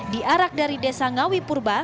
diarak dari desa ngawi purba